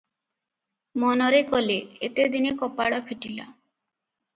ମନରେ କଲେ, ଏତେ ଦିନେ କପାଳ ଫିଟିଲା ।